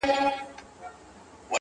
په صحبت نه مړېدی د عالمانو-